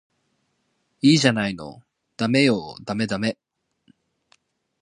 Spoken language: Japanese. いいじゃないのダメよダメダメ